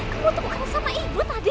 kamu tuh bukan sama ibu tadi